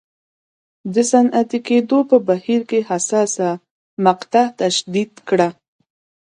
د صنعتي کېدو په بهیر کې حساسه مقطعه تشدید کړه.